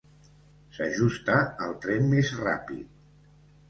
S'ajusta al tren més ràpid.